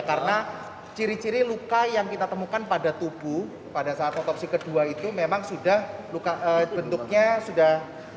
karena ciri ciri luka yang kita temukan pada tubuh pada saat otopsi kedua itu memang sudah luka bentuknya sudah